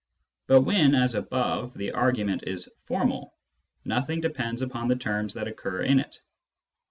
But when, as above, the argument is formal, nothing depends upon the terms that occur in it.